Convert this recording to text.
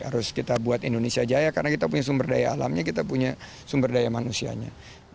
harus kita buat indonesia jaya karena kita punya sumber daya alamnya kita punya sumber daya manusianya